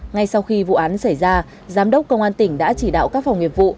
ngay sau khi vụ án xảy ra giám đốc công an tỉnh đã chỉ đạo các phòng nghiệp vụ